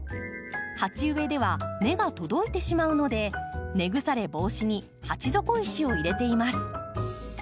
鉢植えでは根が届いてしまうので根腐れ防止に鉢底石を入れています。